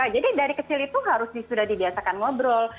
jadi dari kecil itu harus sudah dibiasakan ngobrol